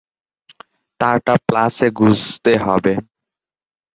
তারটা প্লাসে গুজতে হবে।